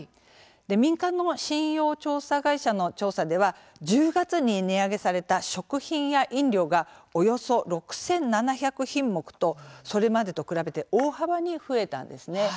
民間の信用調査会社の調査では１０月に値上げされた食品や飲料がおよそ６７００品目とそれまでと比べて大幅に増えたんです。